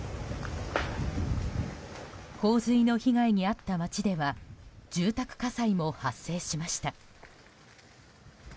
洪水の被害に遭った町では住宅火災も発生しました。